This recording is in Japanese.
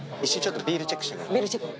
ビールチェック。